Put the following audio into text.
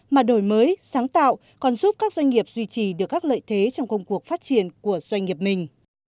mà đổi mới sáng tạo còn giúp các doanh nghiệp duy trì được các lợi thế trong công cuộc phát triển của doanh nghiệp mình